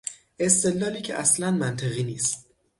استدلالی که اصلا منطقی نیست.